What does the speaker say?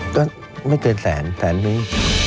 ก็ไม่เกินแสนแสนนึง